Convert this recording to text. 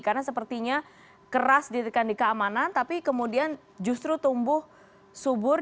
karena sepertinya keras di tekan di keamanan tapi kemudian justru tumbuh subur